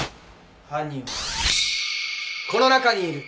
犯人はこの中にいる！